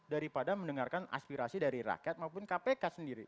daripada mendengarkan aspirasi dari rakyat maupun kpk sendiri